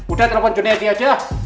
udah telepon jun eddy aja